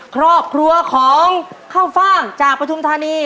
ครอบครัวของข้าวฟ่างจากปฐุมธานี